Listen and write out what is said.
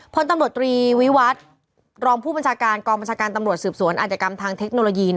พลตำรวจตรีวิวัตรรองผู้บัญชาการกองบัญชาการตำรวจสืบสวนอาจกรรมทางเทคโนโลยี